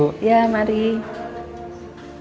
untuk tante mayang dari kiki